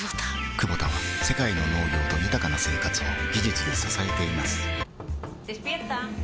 クボタは世界の農業と豊かな生活を技術で支えています起きて。